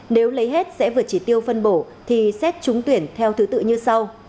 nếu lấy hết sẽ vượt chỉ tiêu phân bổ thì xét trúng tuyển theo thứ tự như sau